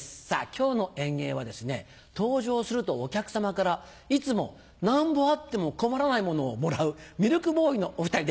今日の演芸はですね登場するとお客さまからいつもなんぼあっても困らないものをもらうミルクボーイのお２人です。